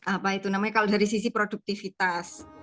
apa itu namanya kalau dari sisi produktivitas